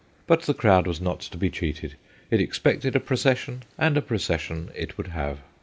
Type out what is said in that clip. But the crowd was not to be cheated ; it expected a procession, and a procession it would have.